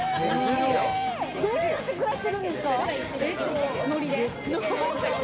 どうやって暮らしてるんですか？